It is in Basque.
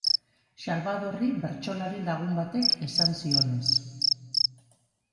Xalbadorri bertsolari lagun batek esan zionez.